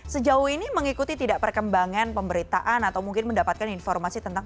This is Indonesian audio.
sejauh ini mengikuti tidak perkembangan pemberitaan atau mungkin mendapatkan informasi tentang